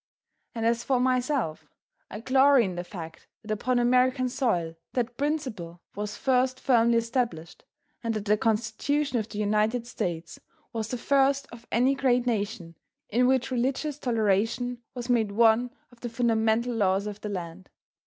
And as for myself I glory in the fact that upon American soil that principle was first firmly established, and that the Constitution of the United States was the first of any great nation in which religious toleration was made one of the fundamental laws of the land.